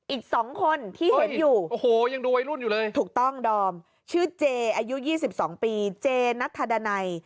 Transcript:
อีก๒คนที่เห็นอยู่ถูกต้องดอมชื่อเจอายุ๒๒ปีเจณัฐดันัย